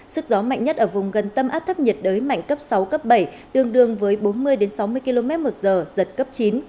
sức gió mạnh nhất ở vùng gần tâm áp thấp nhiệt đới mạnh cấp sáu cấp bảy tương đương với bốn mươi sáu mươi km một giờ giật cấp chín